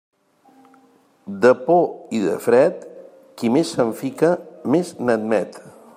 De por i de fred, qui més se'n fica, més n'admet.